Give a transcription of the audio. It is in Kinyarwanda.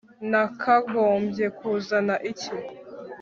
nakagombye kuzana iki